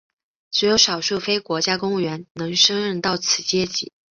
只有少数非国家公务员能升任到此阶级。